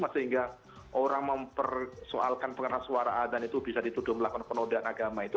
sehingga orang mempersoalkan pengeras suara dan itu bisa dituduh melakukan penodaan agama itu